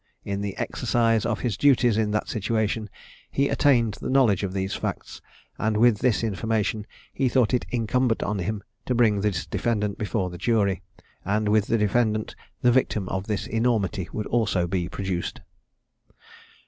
In the exercise of his duties in that situation, he attained the knowledge of these facts; and with this information he thought it incumbent on him to bring this defendant before the jury; and with the defendant the victim of this enormity would also be produced."